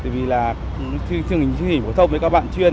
vì là chương trình phổ thông với các bạn chuyên